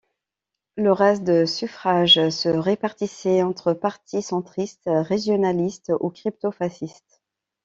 Le reste de suffrages se répartissaient entre partis centristes, régionalistes ou crypto-fascistes.